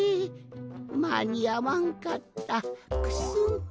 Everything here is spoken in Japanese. まにあわんかったクスン。